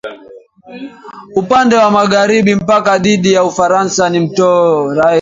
Upande wa magharibi mpaka dhidi ya Ufaransa ni mto Rhein